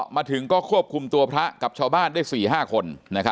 มาถึงก็ควบคุมตัวพระกับชาวบ้านได้๔๕คน